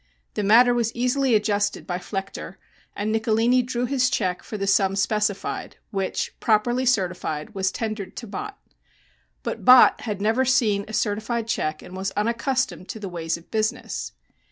The matter was easily adjusted by Flechter, and Nicolini drew his check for the sum specified, which, properly certified, was tendered to Bott. But Bott had never seen a certified check and was unaccustomed to the ways of business.